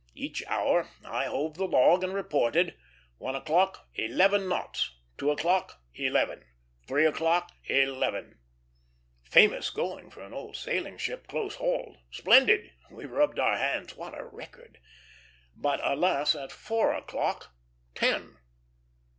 Each hour I hove the log and reported: one o'clock, eleven knots; two o'clock, eleven; three o'clock, eleven famous going for an old sailing ship close hauled. Splendid! we rubbed our hands; what a record! But, alas! at four o'clock, ten!